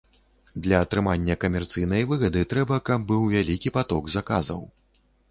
Для атрымання камерцыйнай выгады трэба, каб быў вялікі паток заказаў.